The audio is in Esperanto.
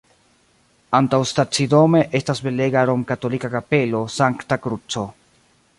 Antaŭstacidome estas belega romkatolika Kapelo Sankta Kruco.